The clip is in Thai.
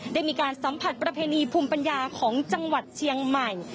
ได้มีการสัมผัสประเพณีภูมิปัญญาของจังหวัดเชียงใหม่